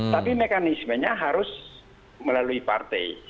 tapi mekanismenya harus melalui partai